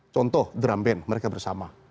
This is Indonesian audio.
contoh drum band mereka bersama